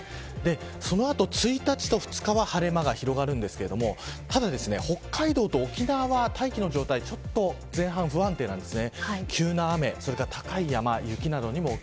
その後、１日と２日は晴れ間が広がるんですけれどもただ、北海道と沖縄は大気の状態ちょっと前半不安定なんです。